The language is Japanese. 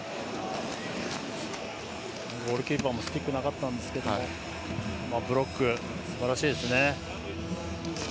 ゴールキーパーもスティックなかったんですけどブロック、すばらしいです。